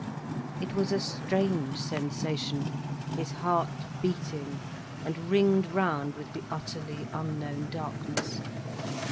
It was a strange sensation, his heart beating, and ringed round with the utterly unknown darkness.